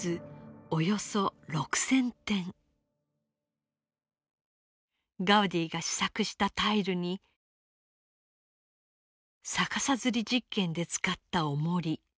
およそガウディが試作したタイルに逆さづり実験で使ったおもり。